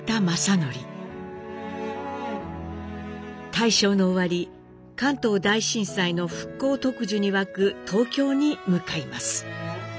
大正の終わり関東大震災の復興特需に沸く東京に向かいます。